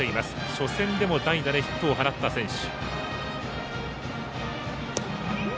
初戦でも代打でヒットを放った選手。